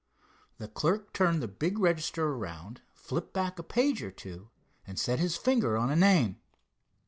The clerk turned the big register around, flipped back a page or two, and set his finger on a name.